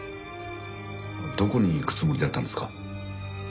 どこに行くつもりだったんですか？